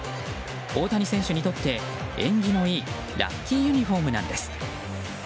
大谷選手にとって縁起のいいラッキーユニホームなんです。